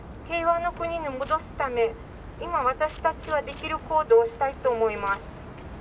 平和の国に戻すため、今、私たちはできる行動をしたいと思います。